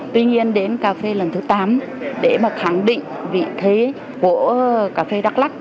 tuy nhiên đến cà phê lần thứ tám để mà khẳng định vị thế của cà phê đắk lắc